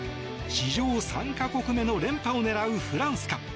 史上３か国目の連覇を狙うフランスか？